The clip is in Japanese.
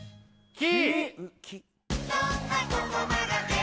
き？